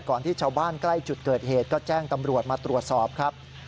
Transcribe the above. ที่ชาวบ้านใกล้จุดเกิดเหตุก็แจ้งตำรวจมาตรวจสอบครับ